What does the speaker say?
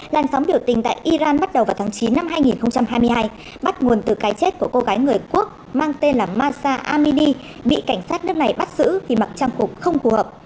làn sóng biểu tình tại iran bắt đầu vào tháng chín năm hai nghìn hai mươi hai bắt nguồn từ cái chết của cô gái người quốc mang tên là masa amidi bị cảnh sát nước này bắt giữ khi mặc trang phục không phù hợp